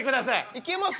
いけます？